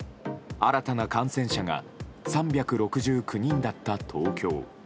新たな感染者が３６９人だった東京。